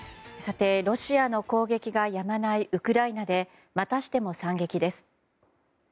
ロシアの攻撃がやまないウクライナでまたしても惨劇です。